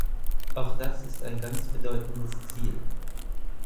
Auch das ist ein ganz bedeutendes Ziel.